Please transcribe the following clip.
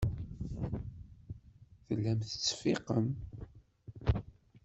Tellam tettseffiqem.